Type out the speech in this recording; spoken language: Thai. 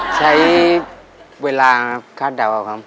ใช้เวลานะครับ